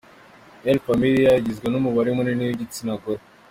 El Familia igizwe n'umubare munini w'igitsinagore .